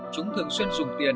chúng thường xuyên dùng tiền